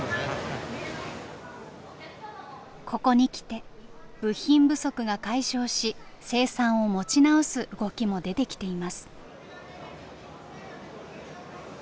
ここに来て部品不足が解消し生産を持ち直す動きも出てきています。